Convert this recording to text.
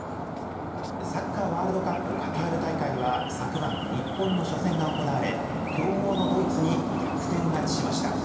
サッカーワールドカップカタール大会は昨晩、日本の初戦が行われ強豪のドイツに逆転勝ちしました。